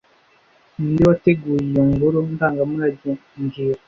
Ninde wateguye iyo ngoro ndangamurage mbwira